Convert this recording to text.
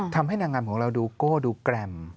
ทำให้นางงามของเราดูโก้ดูแกรม